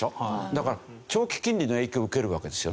だから長期金利の影響を受けるわけですよね。